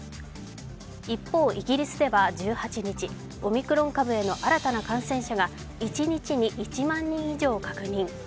一方、イギリスでは１８日、オミクロン株への新たな感染者が一日に１万人以上確認。